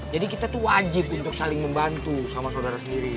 jadi kita tuh wajib untuk saling membantu sama saudara sendiri